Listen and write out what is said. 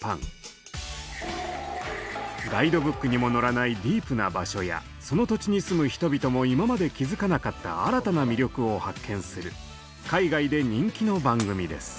ガイドブックにも載らないディープな場所やその土地に住む人々も今まで気付かなかった新たな魅力を発見する海外で人気の番組です。